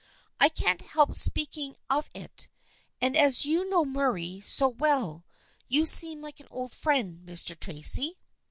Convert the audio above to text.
" I can't help speaking of it, and as you know Murray so well you seem like an old friend, Mr. Tracy."